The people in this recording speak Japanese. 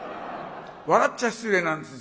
笑っちゃ失礼なんです